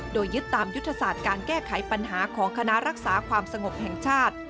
โดยยึดตามยุทธศาสตร์การแก้ไขปัญหาของคณะรักษาความสงบแห่งชาติ